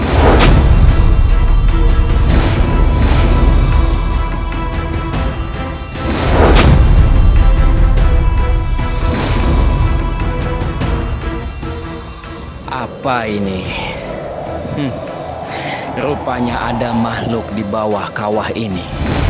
hmm rupanya ada makhluk di bawah kawah ini